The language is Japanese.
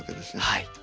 はい。